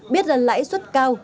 biết rằng lãi suất cao